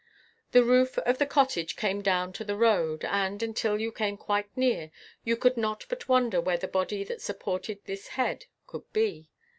The roof of the cottage came down to the road, and, until you came quite near, you could not but wonder where the body that supported this head could be.